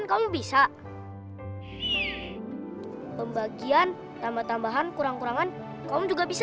hai pembagian tambah tambahan kurang kurangan kau juga chili